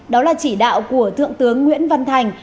đó là chỉ đạo của thượng tướng nguyễn văn thành